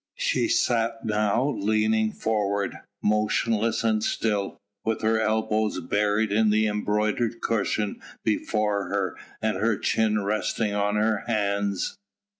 She sat now leaning forward, motionless and still, with her elbows buried in an embroidered cushion before her and her chin resting on her hands.